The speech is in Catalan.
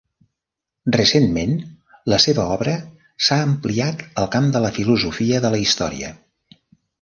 Recentment, la seva obra s'ha ampliat al camp de la filosofia de la història.